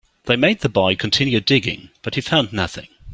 They made the boy continue digging, but he found nothing.